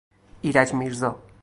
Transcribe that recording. ایرج میرزا